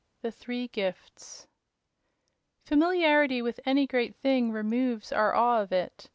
The Three Gifts Familiarity with any great thing removes our awe of it.